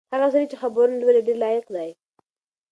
هغه سړی چې خبرونه لولي ډېر لایق دی.